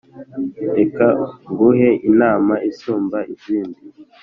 reka nguhe inama isumba izindi